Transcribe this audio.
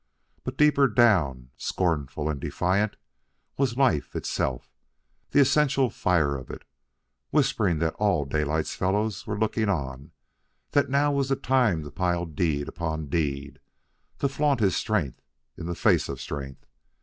But deeper down, scornful and defiant, was Life itself, the essential fire of it, whispering that all Daylight's fellows were looking on, that now was the time to pile deed upon deed, to flaunt his strength in the face of strength.